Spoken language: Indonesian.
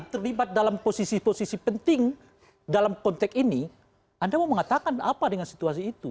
terlibat dalam posisi posisi penting dalam konteks ini anda mau mengatakan apa dengan situasi itu